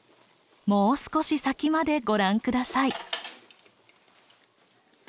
もう少し先までご覧下さい。